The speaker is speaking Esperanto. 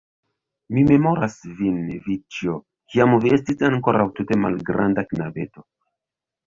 Mi memoras vin, Nikĉjo, kiam vi estis ankoraŭ tute malgranda knabeto.